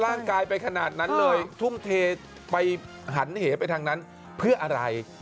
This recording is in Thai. ร่างกายไปขนาดนั้นเลยทุ่มเทไปหันเหไปทางนั้นเพื่ออะไร